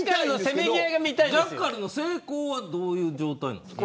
ジャッカルの成功はどういう状態なんですか。